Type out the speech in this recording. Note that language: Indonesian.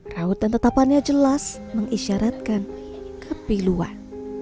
rautan tetapannya jelas mengisyaratkan kepiluan